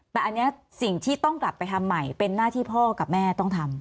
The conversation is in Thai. แต่อันนี้สิ่งที่ต้องกลับไปทำใหม่เป็นหน้าที่พ่อกับแม่ต้องทำ